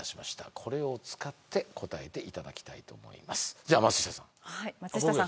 これを使って答えていただきたいと思いますじゃ松下さんあっ